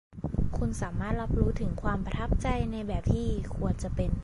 คุณสามารถรับรู้ถึงความประทับใจในแบบที่ควรจะเป็น